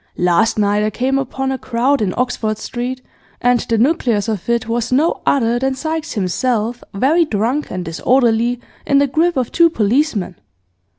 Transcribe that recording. Last night I came upon a crowd in Oxford Street, and the nucleus of it was no other than Sykes himself very drunk and disorderly, in the grip of two policemen.